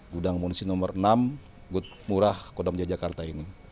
gudang munisi no enam gudmurah kodam jaya jakarta ini